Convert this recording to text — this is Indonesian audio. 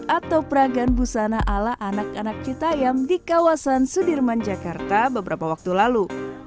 atau peragan busana ala anak anak citayam di kawasan sudirman jakarta beberapa waktu lalu